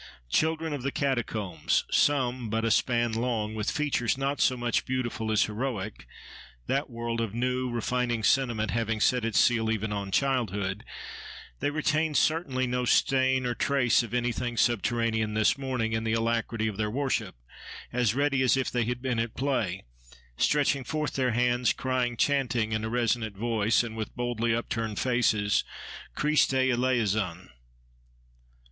Children of the Catacombs, some but "a span long," with features not so much beautiful as heroic (that world of new, refining sentiment having set its seal even on childhood), they retained certainly no stain or trace of anything subterranean this morning, in the alacrity of their worship—as ready as if they had been at play—stretching forth their hands, crying, chanting in a resonant voice, and with boldly upturned faces, Christe Eleison!